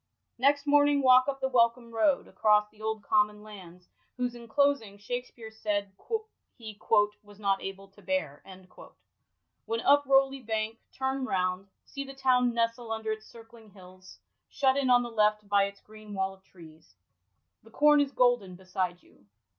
'* Next morning, walk up the Welcombe Road, across the old common lands whose enclosing Shakspere said he " was not able to bear ": when up Rowley Bank, turn round ; see the town nestle under its circling hills, shut in on the left by its green wall of trees. The corn is golden beside you.